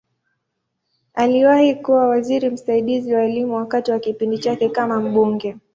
Aliwahi kuwa waziri msaidizi wa Elimu wakati wa kipindi chake kama mbunge.